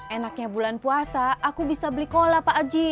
enaknya bulan puasa aku bisa beli kola pak aji